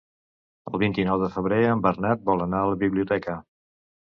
El vint-i-nou de febrer en Bernat vol anar a la biblioteca.